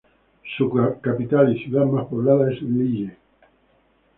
Su capital y ciudad más poblada es Lille.